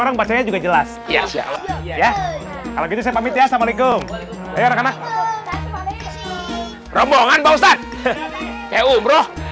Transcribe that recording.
orang bacanya juga jelas iya kalau gitu saya pamit ya assalamualaikum